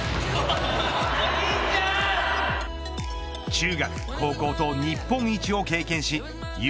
中学、高校と日本一を経験しＵ